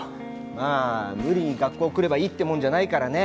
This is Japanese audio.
まあ無理に学校来ればいいってもんじゃないからね。